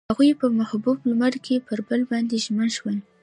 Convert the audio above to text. هغوی په محبوب لمر کې پر بل باندې ژمن شول.